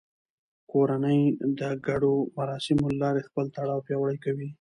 کورنۍ د ګډو مراسمو له لارې خپل تړاو پیاوړی کوي